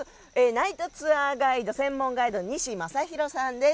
ナイトツアー専門ガイドの西真弘さんです。